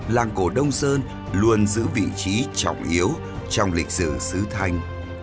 văn minh đông sơn luôn giữ vị trí trọng yếu trong lịch sử xứ thanh